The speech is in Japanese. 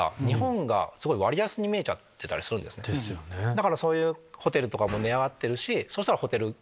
だからそういうホテルとかも値上がってるし。